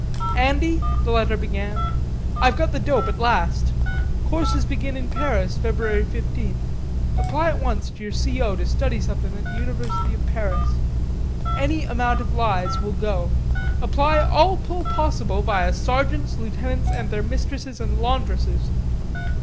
"Andy," the letter began, "I've got the dope at last. Courses begin in Paris February fifteenth. Apply at once to your C. O. to study somethin' at University of Paris. Any amount of lies will go. Apply all pull possible via sergeants, lieutenants and their mistresses and laundresses.